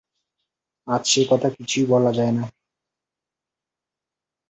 আজ সে কথা কিছুই বলা যায় না।